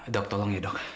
dok tolong ya dok